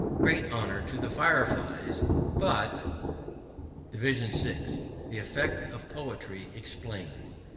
Great honour to the Fire flies! But !" vi. The Effect of Poetry explained.